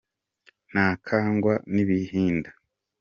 Ntakangwa n’ibihinda